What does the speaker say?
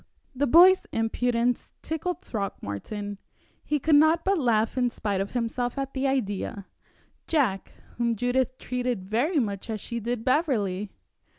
The boy's impudence tickled Throckmorton. He could not but laugh in spite of himself at the idea Jack, whom Judith treated very much as she did Beverley!